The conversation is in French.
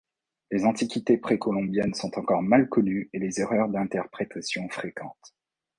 Les antiquités précolombiennes sont encore mal connues et les erreurs d’interprétation fréquentes.